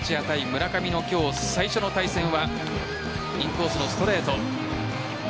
村上の今日最初の対戦はインコースのストレート。